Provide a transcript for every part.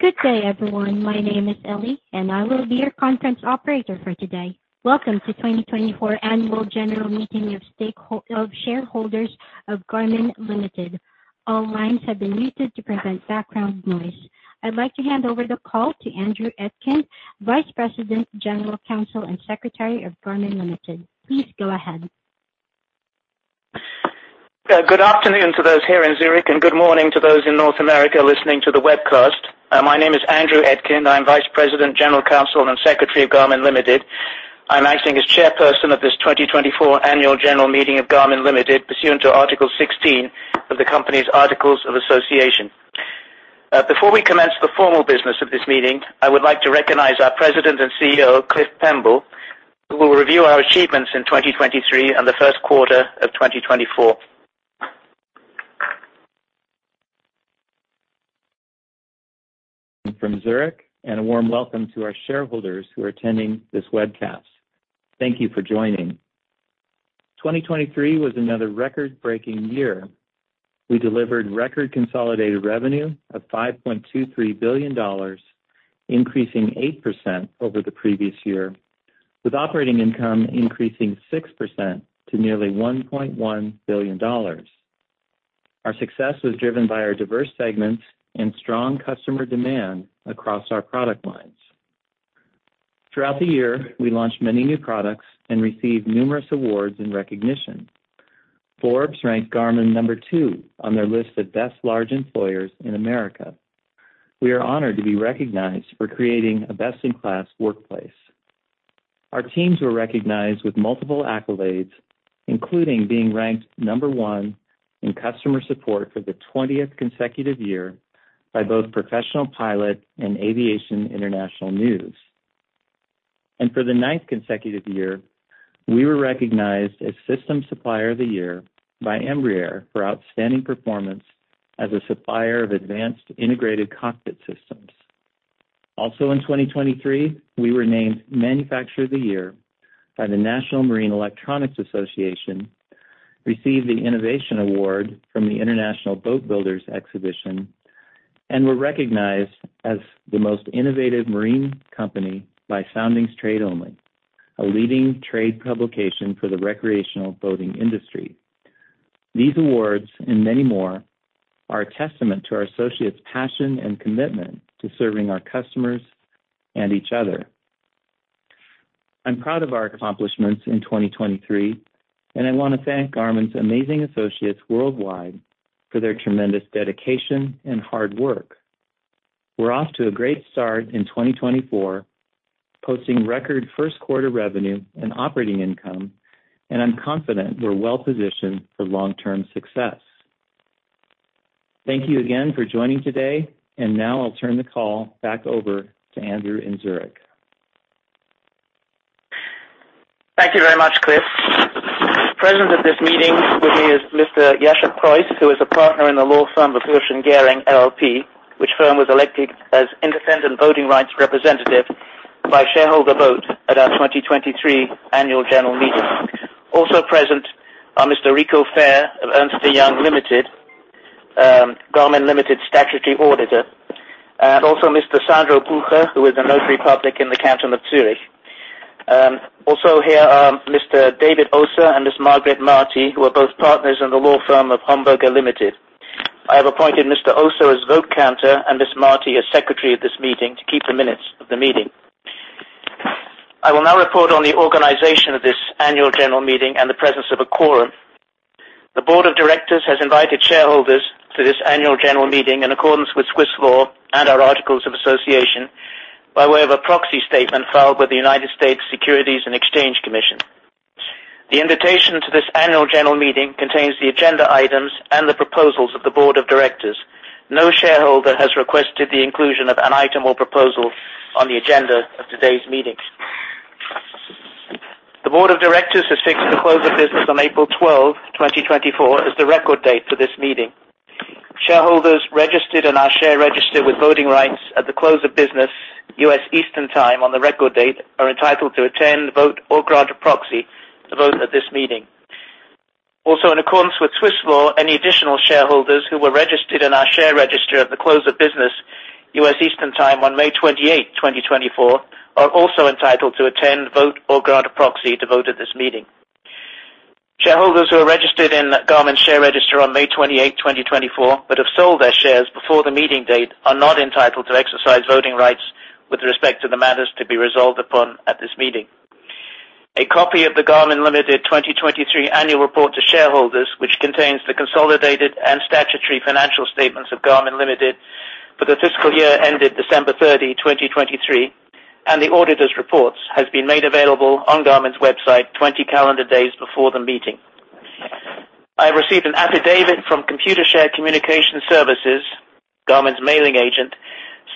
Good day, everyone. My name is Ellie, and I will be your conference operator for today. Welcome to 2024 Annual General Meeting of Shareholders of Garmin Ltd. All lines have been muted to prevent background noise. I'd like to hand over the call to Andrew Etkind, Vice President, General Counsel, and Secretary of Garmin Ltd. Please go ahead. Good afternoon to those here in Zurich, and good morning to those in North America listening to the webcast. My name is Andrew Etkind. I'm Vice President, General Counsel, and Secretary of Garmin Limited. I'm acting as Chairperson of this 2024 Annual General Meeting of Garmin Limited, pursuant to Article 16 of the company's Articles of Association. Before we commence the formal business of this meeting, I would like to recognize our President and CEO, Cliff Pemble, who will review our achievements in 2023 and the first quarter of 2024. From Zurich, a warm welcome to our shareholders who are attending this webcast. Thank you for joining. 2023 was another record-breaking year. We delivered record consolidated revenue of $5.23 billion, increasing 8% over the previous year, with operating income increasing 6% to nearly $1.1 billion. Our success was driven by our diverse segments and strong customer demand across our product lines. Throughout the year, we launched many new products and received numerous awards and recognition. Forbes ranked Garmin number two on their list of best large employers in America. We are honored to be recognized for creating a best-in-class workplace. Our teams were recognized with multiple accolades, including being ranked number one in customer support for the 20th consecutive year by both Professional Pilot and Aviation International News. For the ninth consecutive year, we were recognized as System Supplier of the Year by Embraer for outstanding performance as a supplier of advanced integrated cockpit systems. Also, in 2023, we were named Manufacturer of the Year by the National Marine Electronics Association, received the Innovation Award from the International Boat Builders Exhibition, and were recognized as the most innovative marine company by Trade Only, a leading trade publication for the recreational boating industry. These awards and many more are a testament to our associates' passion and commitment to serving our customers and each other. I'm proud of our accomplishments in 2023, and I want to thank Garmin's amazing associates worldwide for their tremendous dedication and hard work. We're off to a great start in 2024, posting record first quarter revenue and operating income, and I'm confident we're well positioned for long-term success. Thank you again for joining today, and now I'll turn the call back over to Andrew in Zurich. Thank you very much, Cliff. Present at this meeting with me is Mr. Jacek Pruski, who is a partner in the law firm of Wuersch & Gering LLP, which firm was elected as independent voting rights representative by shareholder vote at our 2023 Annual General Meeting. Also present are Mr. Rico Fehr of Ernst & Young Limited, Garmin Ltd.'s statutory auditor, and also Mr. Sandro Bucher, who is a notary public in the canton of Zurich. Also here are Mr. David Oser and Ms. Margrit Marty, who are both partners in the law firm of Homburger. I have appointed Mr. Oster as vote counter and Ms. Marty as secretary of this meeting to keep the minutes of the meeting. I will now report on the organization of this Annual General Meeting and the presence of a quorum. The board of directors has invited shareholders to this Annual General Meeting in accordance with Swiss law and our Articles of Association by way of a proxy statement filed with the United States Securities and Exchange Commission. The invitation to this Annual General Meeting contains the agenda items and the proposals of the board of directors. No shareholder has requested the inclusion of an item or proposal on the agenda of today's meeting. The board of directors has fixed the close of business on April 12, 2024, as the record date for this meeting. Shareholders registered in our share register with voting rights at the close of business, U.S. Eastern Time on the record date, are entitled to attend, vote, or grant a proxy to vote at this meeting. Also, in accordance with Swiss law, any additional shareholders who were registered in our share register at the close of business, US Eastern Time, on May 28, 2024, are also entitled to attend, vote, or grant a proxy to vote at this meeting. Shareholders who are registered in Garmin's share register on May 28, 2024, but have sold their shares before the meeting date are not entitled to exercise voting rights with respect to the matters to be resolved upon at this meeting. A copy of the Garmin Ltd. 2023 Annual Report to Shareholders, which contains the consolidated and statutory financial statements of Garmin Ltd. for the fiscal year ended December 30, 2023, and the auditor's reports, has been made available on Garmin's website 20 calendar days before the meeting. I have received an affidavit from Computershare Communication Services, Garmin's mailing agent,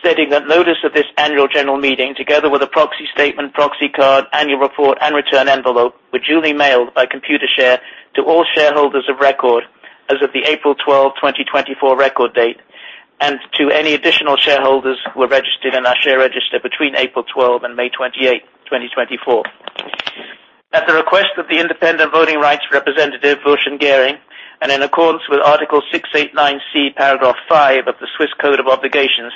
stating that notice of this Annual General Meeting, together with a proxy statement, proxy card, annual report, and return envelope, were duly mailed by Computershare to all shareholders of record as of the April 12, 2024, record date, and to any additional shareholders who were registered in our share register between April 12 and May 28, 2024. At the request of the independent voting rights representative, Wuersch & Gering, and in accordance with Article 689C, paragraph 5 of the Swiss Code of Obligations,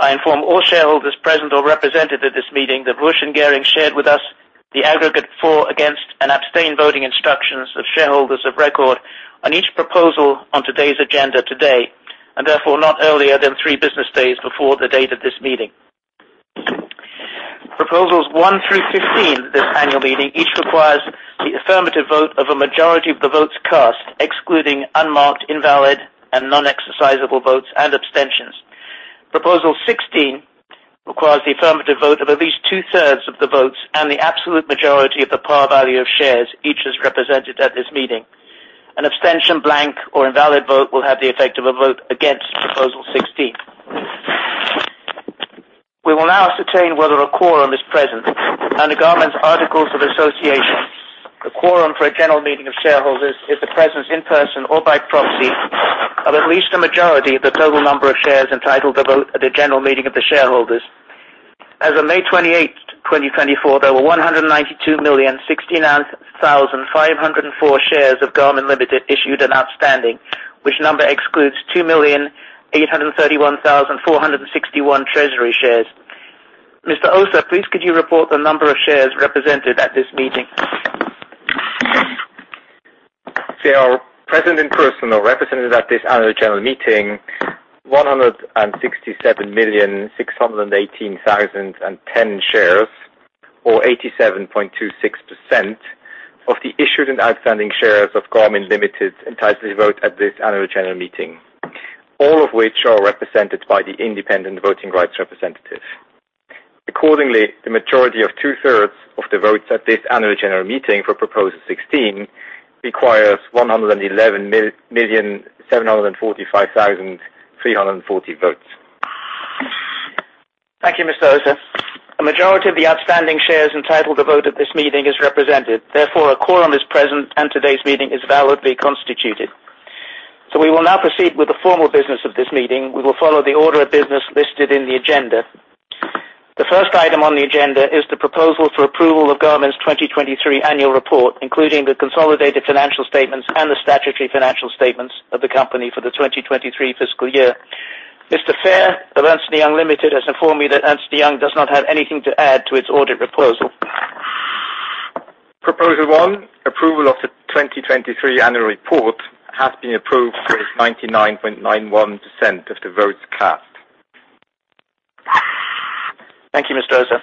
I inform all shareholders present or represented at this meeting that Wuersch & Gering shared with us the aggregate for, against, and abstain voting instructions of shareholders of record on each proposal on today's agenda today, and therefore not earlier than three business days before the date of this meeting. Proposals 1 through 15 of this Annual Meeting each requires the affirmative vote of a majority of the votes cast, excluding unmarked, invalid, and non-exercisable votes, and abstentions. Proposal 16 requires the affirmative vote of at least two-thirds of the votes and the absolute majority of the par value of shares each as represented at this meeting. An abstention, blank, or invalid vote will have the effect of a vote against Proposal 16. We will now ascertain whether a quorum is present. Under Garmin's Articles of Association, the quorum for a general meeting of shareholders is the presence in person or by proxy of at least a majority of the total number of shares entitled to vote at a general meeting of the shareholders. As of May 28, 2024, there were 192,069,504 shares of Garmin Ltd. issued and outstanding, which number excludes 2,831,461 treasury shares. Mr. Oster, please could you report the number of shares represented at this meeting? There are present in person or represented at this Annual General Meeting 167,618,010 shares, or 87.26%, of the issued and outstanding shares of Garmin Limited entitled to vote at this Annual General Meeting, all of which are represented by the independent voting rights representative. Accordingly, the majority of two-thirds of the votes at this Annual General Meeting for Proposal 16 requires 111,745,340 votes. Thank you, Mr. Oster. A majority of the outstanding shares entitled to vote at this meeting is represented. Therefore, a quorum is present, and today's meeting is validly constituted. We will now proceed with the formal business of this meeting. We will follow the order of business listed in the agenda. The first item on the agenda is the proposal for approval of Garmin's 2023 Annual Report, including the consolidated financial statements and the statutory financial statements of the company for the 2023 fiscal year. Mr. Fehr of Ernst & Young Limited has informed me that Ernst & Young does not have anything to add to its audit proposal. Proposal 1, approval of the 2023 Annual Report, has been approved with 99.91% of the votes cast. Thank you, Mr. Oster.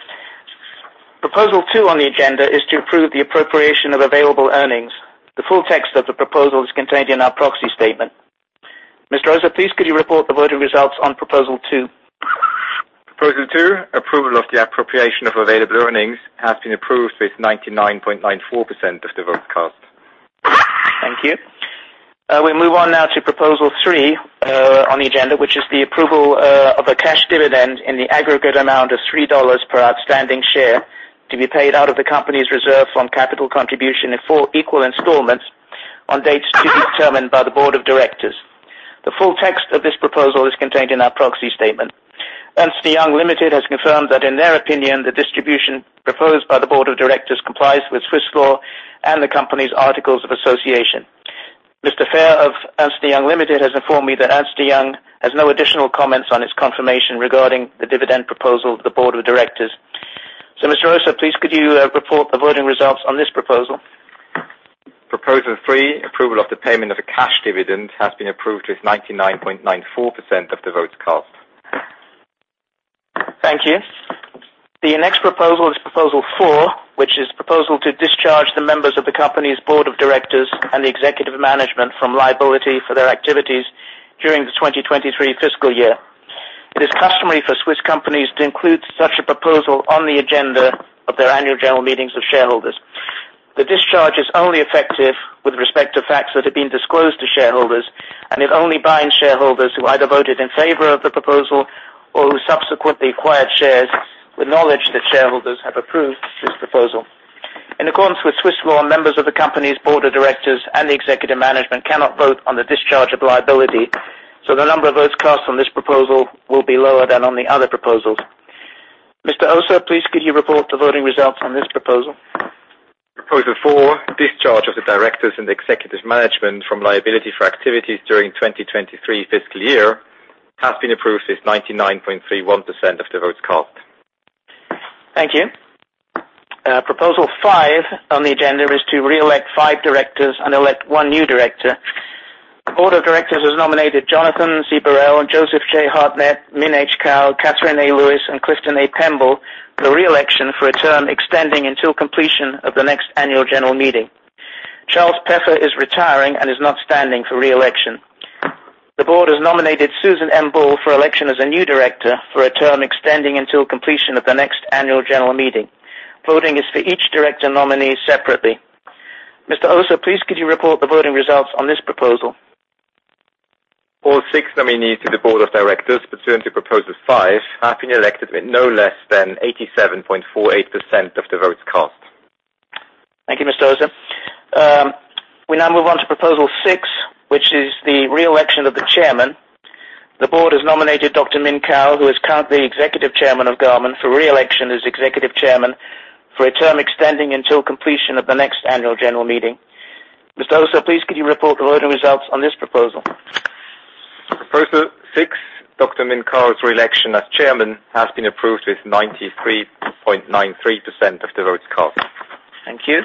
Proposal 2 on the agenda is to approve the appropriation of available earnings. The full text of the proposal is contained in our proxy statement. Mr. Oster, please could you report the voting results on Proposal 2? Proposal 2, approval of the appropriation of available earnings, has been approved with 99.94% of the votes cast. Thank you. We move on now to Proposal 3 on the agenda, which is the approval of a cash dividend in the aggregate amount of $3 per outstanding share to be paid out of the company's reserve from capital contribution in four equal installments on dates to be determined by the board of directors. The full text of this proposal is contained in our proxy statement. Ernst & Young Limited has confirmed that, in their opinion, the distribution proposed by the board of directors complies with Swiss law and the company's Articles of Association. Mr. Fehr of Ernst & Young Limited has informed me that Ernst & Young has no additional comments on its confirmation regarding the dividend proposal of the board of directors. So, Mr. Oster, please could you report the voting results on this proposal? Proposal 3, approval of the payment of a cash dividend, has been approved with 99.94% of the votes cast. Thank you. The next proposal is Proposal 4, which is a proposal to discharge the members of the company's board of directors and the executive management from liability for their activities during the 2023 fiscal year. It is customary for Swiss companies to include such a proposal on the agenda of their Annual General Meetings of shareholders. The discharge is only effective with respect to facts that have been disclosed to shareholders, and it only binds shareholders who either voted in favor of the proposal or who subsequently acquired shares with knowledge that shareholders have approved this proposal. In accordance with Swiss law, members of the company's board of directors and the executive management cannot vote on the discharge of liability, so the number of votes cast on this proposal will be lower than on the other proposals. Mr. Oster, please could you report the voting results on this proposal? Proposal 4, discharge of the directors and the executive management from liability for activities during the 2023 fiscal year, has been approved with 99.31% of the votes cast. Thank you. Proposal 5 on the agenda is to re-elect five directors and elect one new director. The board of directors has nominated Jonathan Burrell, Joseph J. Hartnett, Min H. Kao, Catherine A. Lewis, and Clifton A. Pemble for re-election for a term extending until completion of the next Annual General Meeting. Charles W. Peffer is retiring and is not standing for re-election. The board has nominated Susan M. Ball for election as a new director for a term extending until completion of the next Annual General Meeting. Voting is for each director nominee separately. Mr. Oster, please could you report the voting results on this proposal? All six nominees to the board of directors pursuant to Proposal 5 have been elected with no less than 87.48% of the votes cast. Thank you, Mr. Oster. We now move on to Proposal 6, which is the re-election of the chairman. The board has nominated Dr. Min H. Kao, who is currently executive chairman of Garmin, for re-election as executive chairman for a term extending until completion of the next Annual General Meeting. Mr. Oster, please could you report the voting results on this proposal? Proposal 6, Dr. Min H. Kao's re-election as chairman, has been approved with 93.93% of the votes cast. Thank you.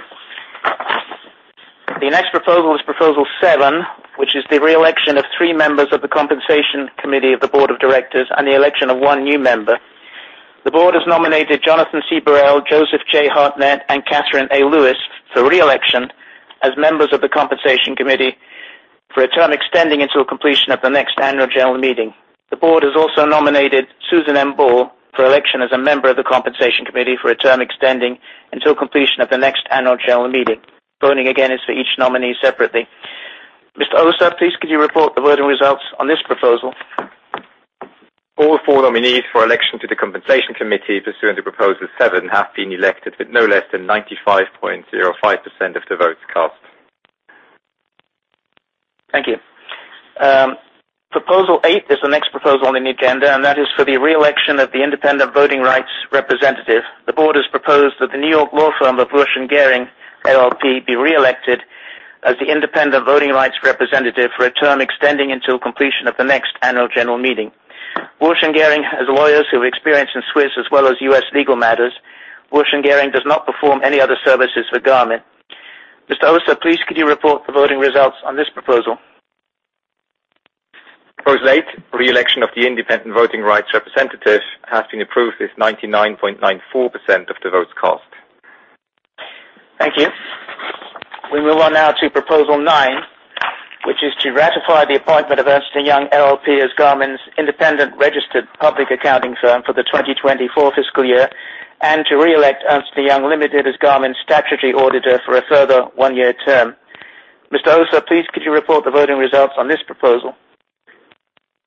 The next proposal is Proposal 7, which is the re-election of three members of the compensation committee of the board of directors and the election of one new member. The board has nominated Jonathan Burrell, Joseph J. Hartnett, and Catherine A. Lewis for re-election as members of the compensation committee for a term extending until completion of the next Annual General Meeting. The board has also nominated Susan M. Ball for election as a member of the compensation committee for a term extending until completion of the next Annual General Meeting. Voting again is for each nominee separately. Mr. Oster, please could you report the voting results on this proposal? All four nominees for election to the compensation committee pursuant to Proposal 7 have been elected with no less than 95.05% of the votes cast. Thank you. Proposal 8 is the next proposal on the agenda, and that is for the re-election of the independent voting rights representative. The board has proposed that the New York law firm of Hirsch & Gering LLP be re-elected as the independent voting rights representative for a term extending until completion of the next Annual General Meeting. Hirsch & Gering has lawyers who have experience in Swiss as well as U.S. legal matters. Hirsch & Gering does not perform any other services for Garmin. Mr. Oster, please could you report the voting results on this proposal? Proposal 8, re-election of the independent voting rights representative has been approved with 99.94% of the votes cast. Thank you. We move on now to Proposal 9, which is to ratify the appointment of Ernst & Young LLP as Garmin's independent registered public accounting firm for the 2024 fiscal year and to re-elect Ernst & Young Limited as Garmin's statutory auditor for a further one-year term. Mr. Oster, please could you report the voting results on this proposal?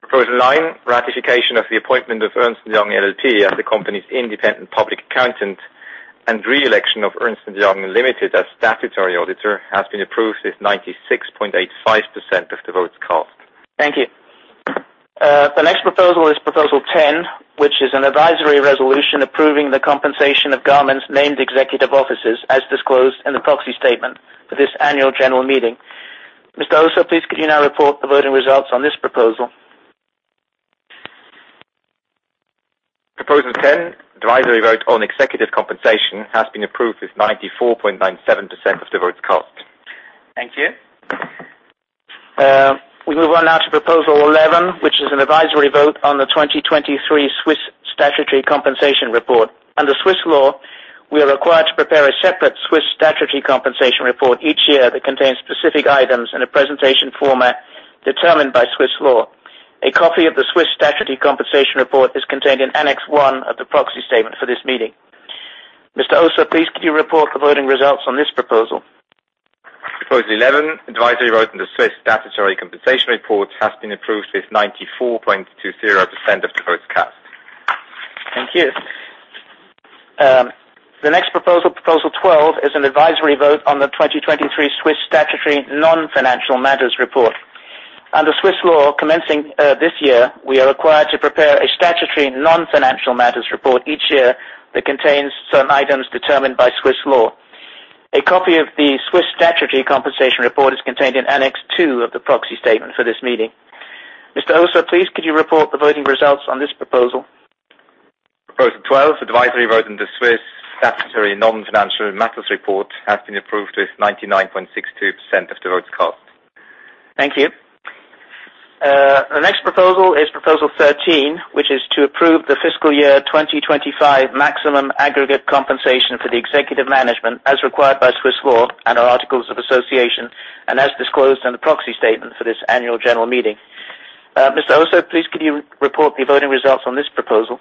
Proposal 9, ratification of the appointment of Ernst & Young LLP as the company's independent public accountant and re-election of Ernst & Young Limited as statutory auditor has been approved with 96.85% of the votes cast. Thank you. The next proposal is Proposal 10, which is an advisory resolution approving the compensation of Garmin's named executive officers as disclosed in the Proxy Statement for this Annual General Meeting. Mr. Oster, please could you now report the voting results on this proposal? Proposal 10, advisory vote on executive compensation has been approved with 94.97% of the votes cast. Thank you. We move on now to Proposal 11, which is an advisory vote on the 2023 Swiss statutory compensation report. Under Swiss law, we are required to prepare a separate Swiss statutory compensation report each year that contains specific items in a presentation format determined by Swiss law. A copy of the Swiss statutory compensation report is contained in Annex 1 of the proxy statement for this meeting. Mr. Oster, please could you report the voting results on this proposal? Proposal 11, advisory vote on the Swiss statutory compensation report has been approved with 94.20% of the votes cast. Thank you. The next proposal, Proposal 12, is an advisory vote on the 2023 Swiss statutory non-financial matters report. Under Swiss law, commencing this year, we are required to prepare a statutory non-financial matters report each year that contains certain items determined by Swiss law. A copy of the Swiss statutory compensation report is contained in Annex 2 of the Proxy Statement for this meeting. Mr. Oster, please could you report the voting results on this proposal? Proposal 12, advisory vote on the Swiss statutory non-financial matters report has been approved with 99.62% of the votes cast. Thank you. The next proposal is Proposal 13, which is to approve the fiscal year 2025 maximum aggregate compensation for the executive management as required by Swiss law and our Articles of Association and as disclosed in the proxy statement for this Annual General Meeting. Mr. Oster, please could you report the voting results on this proposal?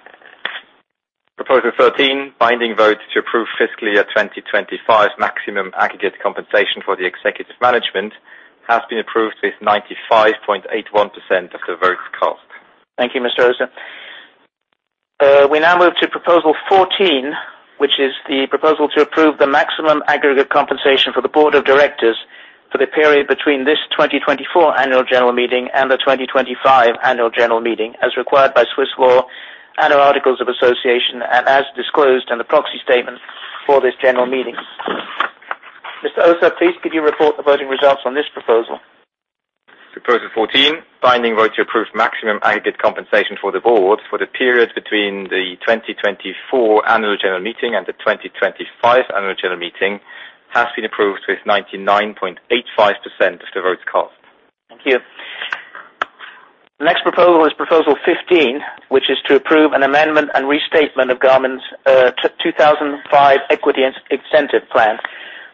Proposal 13, binding vote to approve fiscal year 2025 maximum aggregate compensation for the executive management, has been approved with 95.81% of the votes cast. Thank you, Mr. Oster. We now move to Proposal 14, which is the proposal to approve the maximum aggregate compensation for the board of directors for the period between this 2024 Annual General Meeting and the 2025 Annual General Meeting as required by Swiss law and our Articles of Association and as disclosed in the proxy statement for this general meeting. Mr. Oster, please could you report the voting results on this proposal? Proposal 14, binding vote to approve maximum aggregate compensation for the board for the period between the 2024 Annual General Meeting and the 2025 Annual General Meeting has been approved with 99.85% of the votes cast. Thank you. The next proposal is Proposal 15, which is to approve an amendment and restatement of Garmin's 2005 equity incentive plan.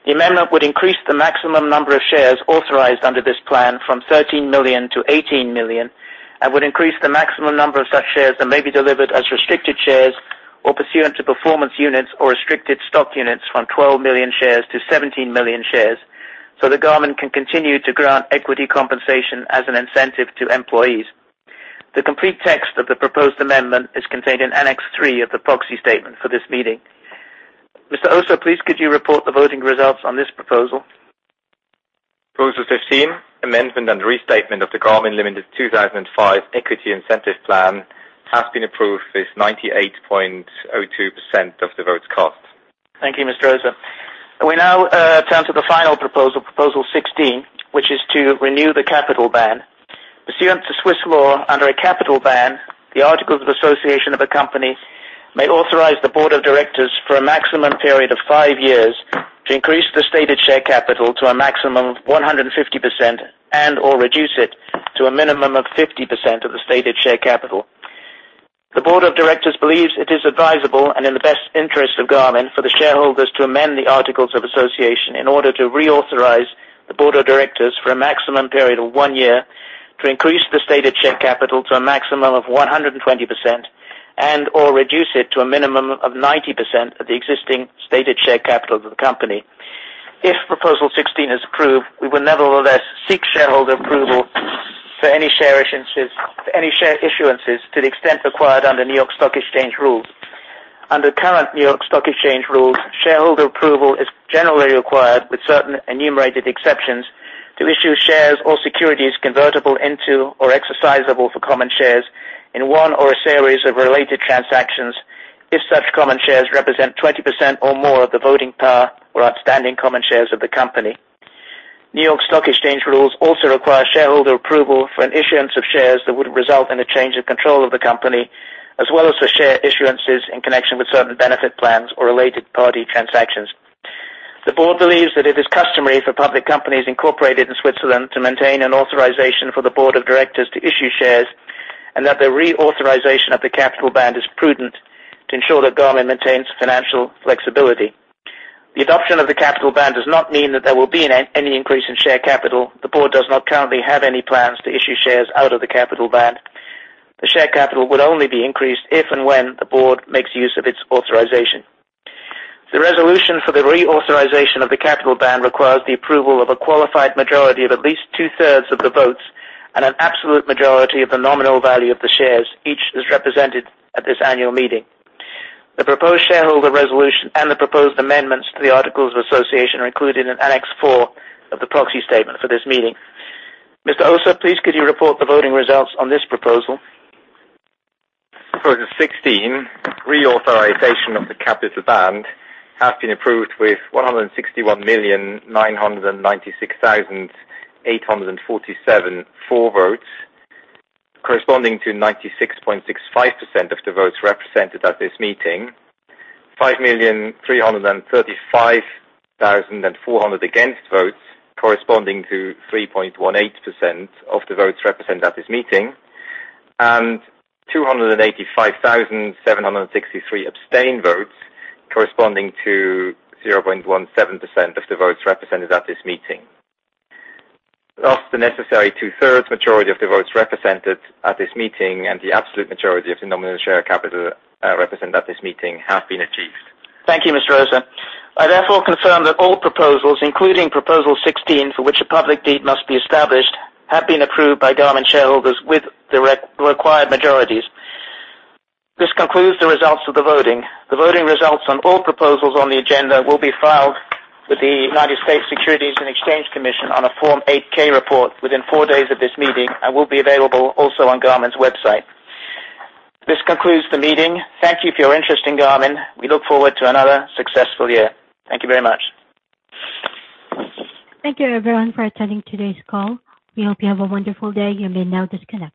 The amendment would increase the maximum number of shares authorized under this plan from 13 million to 18 million and would increase the maximum number of such shares that may be delivered as restricted shares or pursuant to performance units or restricted stock units from 12 million shares to 17 million shares so that Garmin can continue to grant equity compensation as an incentive to employees. The complete text of the proposed amendment is contained in Annex 3 of the proxy statement for this meeting. Mr. Oster, please could you report the voting results on this proposal? Proposal 15, amendment and restatement of the Garmin Ltd. 2005 equity incentive plan has been approved with 98.02% of the votes cast. Thank you, Mr. Oster. We now turn to the final proposal, Proposal 16, which is to renew the capital band. Pursuant to Swiss law, under a capital band, the Articles of Association of a company may authorize the board of directors for a maximum period of five years to increase the stated share capital to a maximum of 150% and/or reduce it to a minimum of 50% of the stated share capital. The board of directors believes it is advisable and in the best interest of Garmin for the shareholders to amend the Articles of Association in order to re-authorize the board of directors for a maximum period of one year to increase the stated share capital to a maximum of 120% and/or reduce it to a minimum of 90% of the existing stated share capital of the company. If Proposal 16 is approved, we will nevertheless seek shareholder approval for any share issuances to the extent required under New York Stock Exchange rules. Under current New York Stock Exchange rules, shareholder approval is generally required with certain enumerated exceptions to issue shares or securities convertible into or exercisable for common shares in one or a series of related transactions if such common shares represent 20% or more of the voting power or outstanding common shares of the company. New York Stock Exchange rules also require shareholder approval for an issuance of shares that would result in a change of control of the company, as well as for share issuances in connection with certain benefit plans or related party transactions. The board believes that it is customary for public companies incorporated in Switzerland to maintain an authorization for the board of directors to issue shares and that the re-authorization of the Capital Band is prudent to ensure that Garmin maintains financial flexibility. The adoption of the Capital Band does not mean that there will be any increase in share capital. The board does not currently have any plans to issue shares out of the Capital Band. The share capital would only be increased if and when the board makes use of its authorization. The resolution for the re-authorization of the Capital Band requires the approval of a qualified majority of at least two-thirds of the votes and an absolute majority of the nominal value of the shares, each as represented at this Annual Meeting. The proposed shareholder resolution and the proposed amendments to the Articles of Association are included in Annex 4 of the proxy statement for this meeting. Mr. Oster, please could you report the voting results on this proposal? Proposal 16, re-authorization of the Capital Band has been approved with 161,996,847 for votes, corresponding to 96.65% of the votes represented at this meeting, 5,335,400 against votes, corresponding to 3.18% of the votes represented at this meeting, and 285,763 abstained votes, corresponding to 0.17% of the votes represented at this meeting. Thus, the necessary two-thirds majority of the votes represented at this meeting and the absolute majority of the nominal share capital represented at this meeting have been achieved. Thank you, Mr. Oster. I therefore confirm that all proposals, including Proposal 16, for which a public deed must be established, have been approved by Garmin shareholders with the required majorities. This concludes the results of the voting. The voting results on all proposals on the agenda will be filed with the United States Securities and Exchange Commission on a Form 8-K report within four days of this meeting and will be available also on Garmin's website. This concludes the meeting. Thank you for your interest in Garmin. We look forward to another successful year. Thank you very much. Thank you, everyone, for attending today's call. We hope you have a wonderful day. You may now disconnect.